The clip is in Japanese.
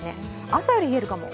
朝より冷えるかも。